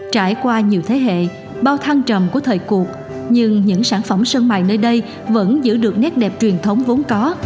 trải qua nhiều thế hệ bao thăng trầm của thời cuộc nhưng những sản phẩm sơn mài nơi đây vẫn giữ được nét đẹp truyền thống vốn có